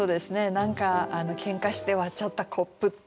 何かけんかして割っちゃったコップとかね